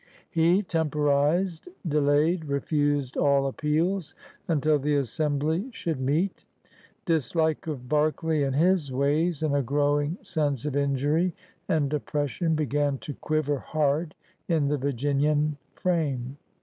He temporized, delayed, refused all appeals until the Assembly should meet. Dislike of Berkeley and his ways and a growing sense of injury and oppression began to quiver hard in the Virginian frame.